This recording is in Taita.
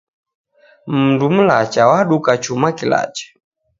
Mundu mlacha waduka chuma kilacha